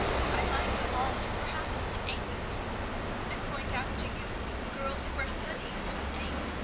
"I might go on through perhaps an eighth of the school, and point out to you girls who are studying with an aim.